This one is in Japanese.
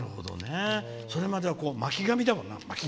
それまでは、巻紙だもんな。